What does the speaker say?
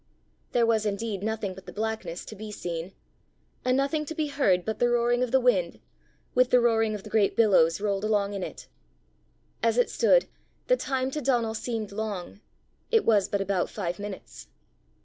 There was indeed nothing but the blackness to be seen and nothing to be heard but the roaring of the wind, with the roaring of the great billows rolled along in it. As it stood, the time to Donal seemed long: it was but about five minutes.